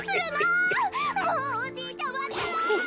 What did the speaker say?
もうおじいちゃまったら！